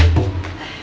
baru aja di birth